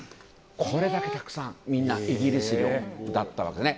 これだけたくさん、みんなイギリス領だったんですね。